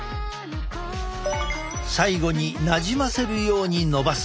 最後になじませるようにのばす。